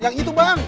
yang itu bang